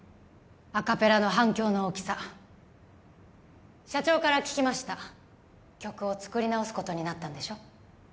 アカペラの反響の大きさ社長から聞きました曲を作り直すことになったんでしょ